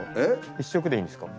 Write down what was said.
１色でいいんですか？